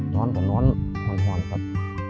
นอนก็นอนห่อนครับ